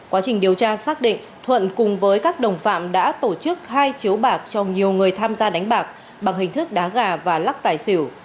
quá trình điều tra xác định thuận cùng với các đồng phạm đã tổ chức hai chiếu bạc cho nhiều người tham gia đánh bạc bằng hình thức đá gà và lắc tài xỉu